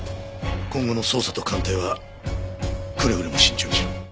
今後の捜査と鑑定はくれぐれも慎重にしろ。